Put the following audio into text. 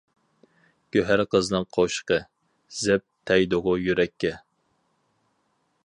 گۆھەر قىزنىڭ قوشىقى، زەپ تەگدىغۇ يۈرەككە.